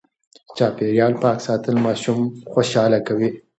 چاپېريال پاک ساتل ماشوم خوشاله کوي.